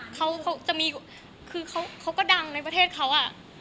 เขาก็ดังในประเทศเขาอ่ะ